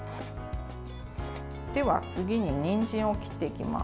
では次ににんじんを切っていきます。